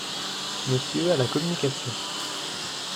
Monsieur a la communication.